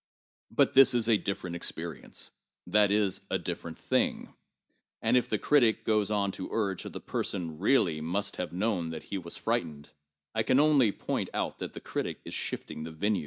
But this is a different experienceŌĆö that is, a different thing. And if the critic goes on to urge that the person 'really' must have known that he was frightened, I can only point out that the critic is shifting the venue.